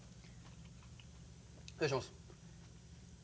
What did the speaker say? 失礼します。